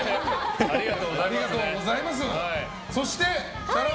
ありがとうございます。